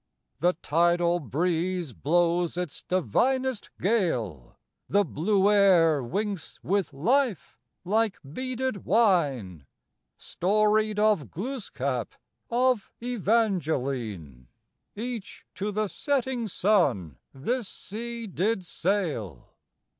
The tidal breeze blows its divinest gale! The blue air winks with life like beaded wine! Storied of Glooscap, of Evangeline Each to the setting sun this sea did sail.